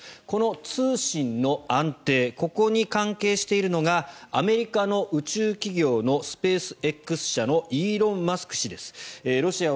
この通信の安定ここに関係しているのがアメリカの宇宙企業のスペースＸ社のイーロン・マスク氏です。